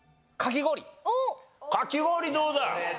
かき氷どうだ？